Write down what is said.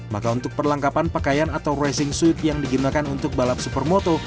maka untuk perlengkapan pakaian atau racing suite yang digunakan untuk balap supermoto